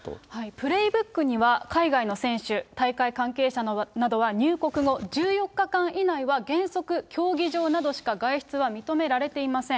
プレイブックには、海外の選手、大会関係者などは、入国後１４日間以内は、原則競技場などしか外出は認められていません。